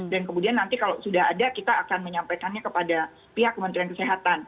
dan kemudian nanti kalau sudah ada kita akan menyampaikannya kepada pihak kementerian kesehatan